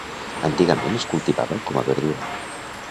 Antigament es cultivava com a verdura.